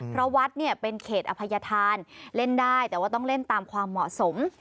เพราะวัดเนี่ยเป็นเขตอภัยธานเล่นได้แต่ว่าต้องเล่นตามความเหมาะสม